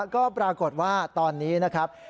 ก็ปรากฏว่าตอนนี้นะครับ